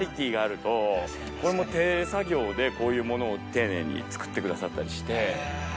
これも手作業でこういうものを丁寧に作ってくださったりして。